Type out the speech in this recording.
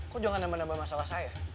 kok jangan nambah nambah masalah saya